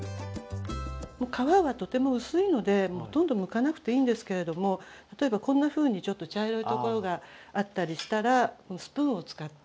皮はとても薄いのでほとんどむかなくていいんですけれども例えばこんなふうにちょっと茶色いところがあったりしたらスプーンを使って。